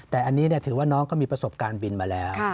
แต่อันนี้ถือว่าน้องก็มีประสบการณ์บินมาแล้ว